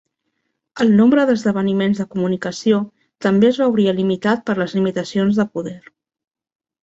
El nombre d'esdeveniments de comunicació també es veuria limitat per les limitacions de poder.